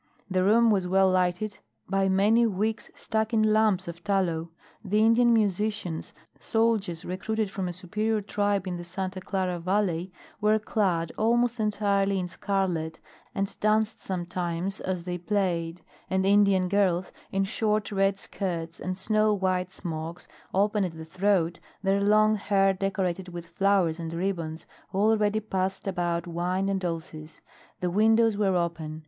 The room was well lighted by many wicks stuck in lumps of tallow. The Indian musicians, soldiers recruited from a superior tribe in the Santa Clara valley, were clad almost entirely in scarlet, and danced sometimes as they played; and Indian girls, in short red skirts and snow white smocks open at the throat, their long hair decorated with flowers and ribbons, already passed about wine and dulces. The windows were open.